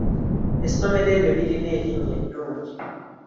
Essomero eryo lirina erinnya eddungi.